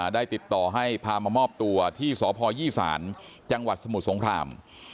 ได้ติดต่อให้พามามอบตัวที่สพยี่ศาลจังหวัดสมุทรสงคราม